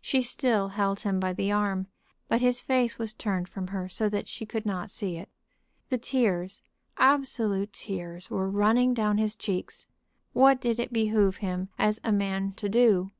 She still held him by the arm, but his face was turned from her so that she could not see it. The tears, absolute tears, were running down his cheeks. What did it behoove him as a man to do?